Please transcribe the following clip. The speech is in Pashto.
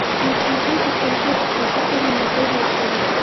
مچمچۍ د خپل کور حفاظت ته لومړیتوب ورکوي